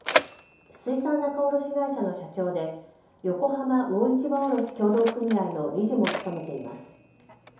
水産仲卸会社の社長で横浜魚市場卸協同組合の理事も務めています。